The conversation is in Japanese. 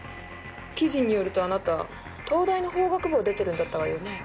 記事によるとあなた東大の法学部を出てるんだったわよね？